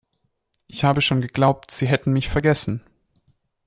Ich habe schon geglaubt, sie hätten mich vergessen.